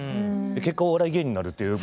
結果お笑い芸人になるっていう。